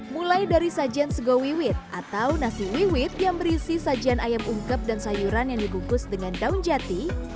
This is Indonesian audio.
mulai dari sajian segowiwit atau nasi wiwit yang berisi sajian ayam ungkep dan sayuran yang dibungkus dengan daun jati